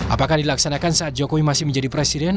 apakah dilaksanakan saat jokowi masih menjadi presiden